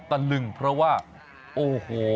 ตะลึงเพราะว่าโอ้โห